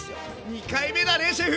２回目だねシェフ！